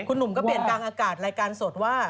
คุณหนุ่มก็เปลี่ยนกลางอากาศรายการสดว่า